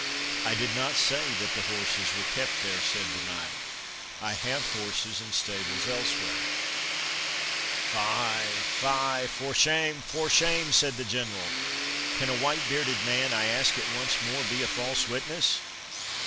"I did not say that the horses were kept there," said the knight. "I have horses and stables elsewhere." "Fie, fie, for shame, for shame!" said the General; "can a white bearded man, I ask it once more, be a false witness?"